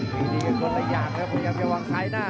ตีนี้ก็โกนกรณ์หญ่าครับพยายามมันจะวางใช้หน้า